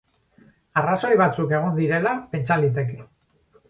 Arrazoi batzuk egon direla pentsa liteke.